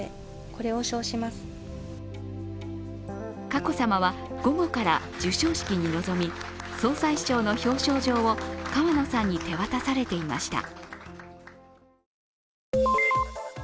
佳子さまは午後から授賞式に臨み総裁賞の表彰状を河野さんに手渡されていました。